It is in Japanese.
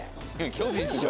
巨人師匠。